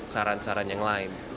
saran saran yang lain